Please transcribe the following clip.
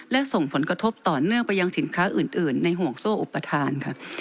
และส่งผลกระทบต่อเนื่องไปยังสินค้าอื่นในห่วงโซ่อุปทานค่ะ